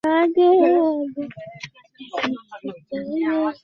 এই ঘটনার প্রতিবাদে তিনি একটি আন্দোলন গড়ে তোলেন।